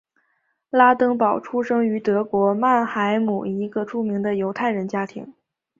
拉登堡出生于德国曼海姆一个著名的犹太人家庭。